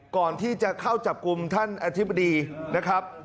ก่อนที่จะเข้าจับกลุ่มท่านอธิบดีนะครับ